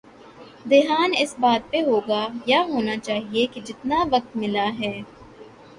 دھیان اس بات پہ ہو گا یا ہونا چاہیے کہ جتنا وقت ملا ہے۔